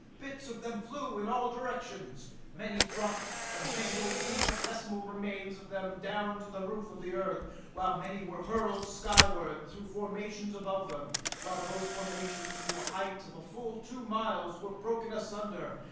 Bits of them flew in all directions. Many dropped, the mangled, infinitesmal remains of them, down to the roof of Earth, while many were hurled skyward through formations above them while those formations, to a height of a full two miles, were broken asunder.